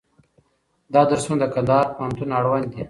دا درسونه د کندهار پوهنتون اړوند دي.